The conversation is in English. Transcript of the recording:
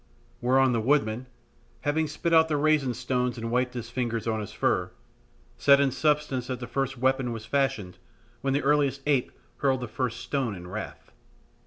Whereon the woodman, having spit out the raisin stones and wiped his fingers on his fur, said in substance that the first weapon was fashioned when the earliest ape hurled the first stone in wrath.